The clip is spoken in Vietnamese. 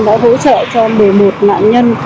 đã hỗ trợ cho một mươi một nạn nhân